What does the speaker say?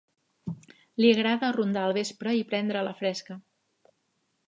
Li agrada rondar al vespre i prendre la fresca.